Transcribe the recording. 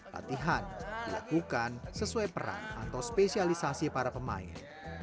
latihan dilakukan sesuai peran atau spesialisasi para pemain